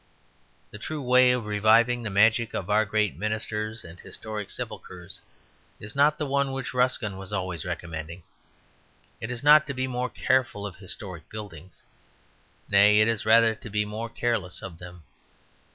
The true way of reviving the magic of our great minsters and historic sepulchres is not the one which Ruskin was always recommending. It is not to be more careful of historic buildings. Nay, it is rather to be more careless of them.